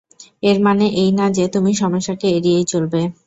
এর মানে এই না যে, তুমি সমস্যাকে এড়িয়েই চলবে।